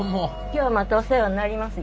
今日またお世話になります。